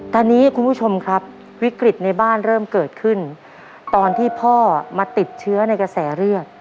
ตอนนี้คุณผู้ชมครับวิกฤตในบ้านเริ่มเกิดขึ้นตอนที่พ่อมาติดเชื้อในกระแสเลือด